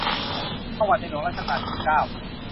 ประวัติในหลวงรัชกาลที่เก้า